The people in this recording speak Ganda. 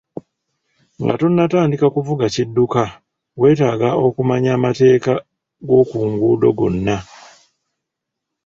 Nga tonnatandika kuvuga kidduka, weetaaga okumanya amateeka g'oku nguudo gonna.